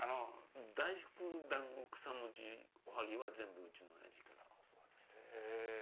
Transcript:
大福団子草餅おはぎはうちのおやじから教わりました。